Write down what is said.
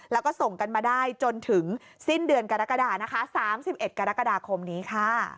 แล้วก็ส่งกันมาได้จนถึงสิ้นเดือนกรกฎานะคะ๓๑กรกฎาคมนี้ค่ะ